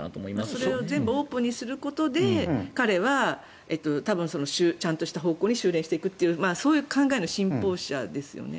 それを全部オープンにしていくことで彼は多分ちゃんとしたところに収れんしていくというそういう考えの信奉者ですよね。